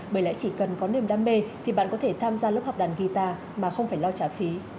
bởi lẽ chỉ cần có niềm đam mê thì bạn có thể tham gia lớp học đàn guitar mà không phải lo trả phí